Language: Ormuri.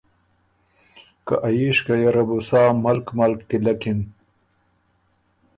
که ا ييشکئ یه ره بو سا ملک ملک تِلکِن۔